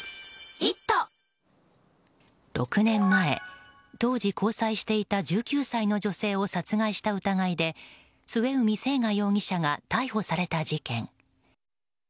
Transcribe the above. ６年前当時交際していた１９歳の女性を殺害した疑いで末海征河容疑者が逮捕された事件。